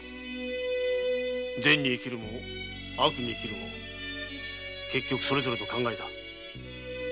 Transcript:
善に生きるも悪に生きるも結局それぞれの考えだ。